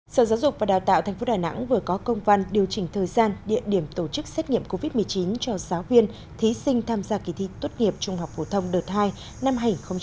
sở giáo dục và đào tạo tp đà nẵng vừa có công văn điều chỉnh thời gian địa điểm tổ chức xét nghiệm covid một mươi chín cho giáo viên thí sinh tham gia kỳ thi tốt nghiệp trung học phổ thông đợt hai năm hai nghìn hai mươi